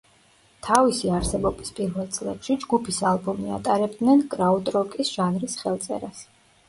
თავისი არსებობის პირველ წლებში ჯგუფის ალბომი ატარებდნენ კრაუტროკის ჟანრის ხელწერას.